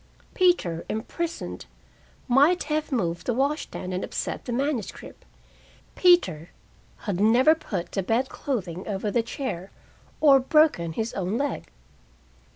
Peter, imprisoned, might have moved the wash stand and upset the manuscript Peter had never put the bed clothing over the chair, or broken his own leg.